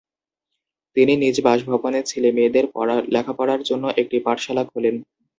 তিনি নিজ বাসভবনে ছেলেমেয়েদের লেখাপড়ার জন্য একটি পাঠশালা খোলেন।